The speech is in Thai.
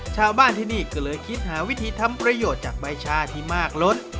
ชาวบ้านที่นี่ก็เลยคิดหาวิธีทำประโยชน์จากใบชาที่มากล้น